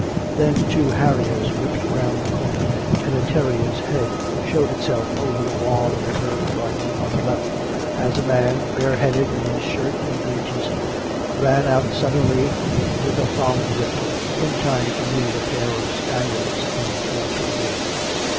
Then two harriers whipped round the corner, and a terrier's head showed itself over the wall of the herb garden on the left, as a man, bareheaded, in his shirt and breeches, ran out suddenly with a thonged whip, in time to meet a pair of spaniels in full career.